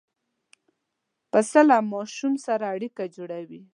پسه له ماشوم سره اړیکه جوړوي.